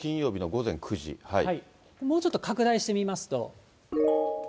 もうちょっと拡大してみますと。